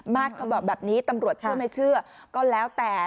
มาตรเขาบอกแบบนี้ตำรวจเชื่อไม่เชื่อก็แล้วแต่